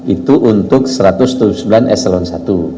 itu untuk satu ratus dua puluh sembilan eselon i